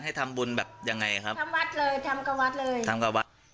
ให้ทำบุญแบบยังไงครับทำวัดเลยทำกับวัดเลยทำกับวัด